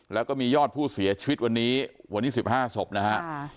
แล้วก็มียอดผู้เสียชีวิตวันนี้วันนี้๑๕ศพนะฮะ